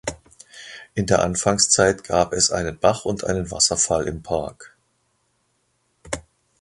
In der Anfangszeit gab es einen Bach und einen Wasserfall im Park.